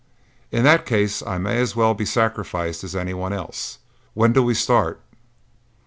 "In that case, I may as well be sacrificed as anyone else. When do we start?"